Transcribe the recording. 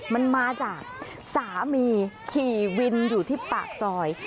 มันมาจากสามีขี่วินอยู่ที่ปากซอย